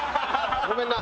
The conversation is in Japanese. ごめんな。